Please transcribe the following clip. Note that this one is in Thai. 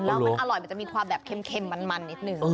แล้วมันอร่อยมันจะมีความแบบเค็มมันนิดนึง